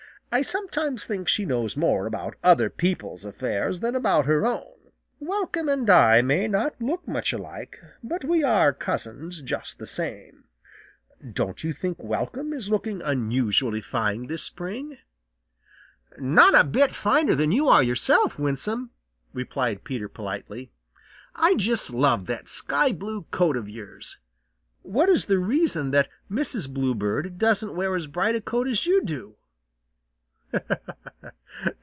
I sometimes think she knows more about other people's affairs than about her own. Welcome and I may not look much alike, but we are cousins just the same. Don't you think Welcome is looking unusually fine this spring?" "Not a bit finer than you are yourself, Winsome," replied Peter politely. "I just love that sky blue coat of yours. What is the reason that Mrs. Bluebird doesn't wear as bright a coat as you do?"